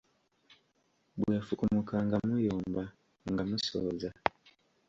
Bw'efukumuka nga muyomba nga musooza.